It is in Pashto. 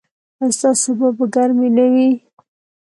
ایا ستاسو اوبه به ګرمې نه وي؟